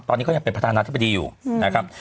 ตอนนี้ก็ยังเป็นประธานาธิบดีอยู่นะครับ